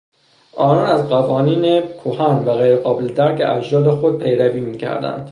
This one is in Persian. آنان از قوانین کهن و غیر قابل درک اجداد خود پیروی میکردند.